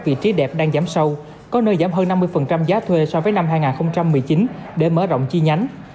vị trí đẹp đang giảm sâu có nơi giảm hơn năm mươi giá thuê so với năm hai nghìn một mươi chín để mở rộng chi nhánh